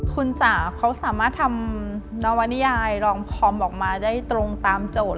คุณจ๋าเขาสามารถทำนวนิยายรองคอมออกมาได้ตรงตามโจทย์